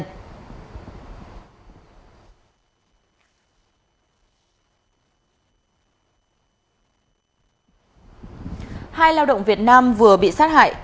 hai lao động việt nam vừa bị sát hại